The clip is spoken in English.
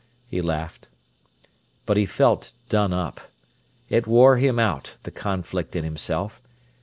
he laughed. But he felt done up. It wore him out, the conflict in himself.